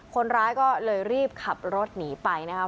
คนร้ายก็เลยรีบขับรถหนีไปนะครับ